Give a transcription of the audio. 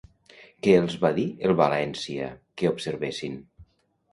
Què els va dir el València que observessin?